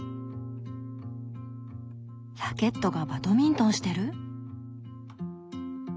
ラケットがバドミントンしてる？